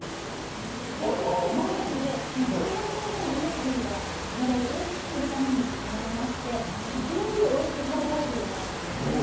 で卵を産まないので産卵のためのエネルギーが体を大きくするために使われまして一年中おいしく食べられるようになったんですね。